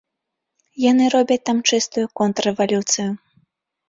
Яны робяць там чыстую контррэвалюцыю.